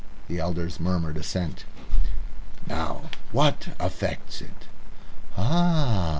The elders murmured assent. "Now, what affects it?" "Ah!"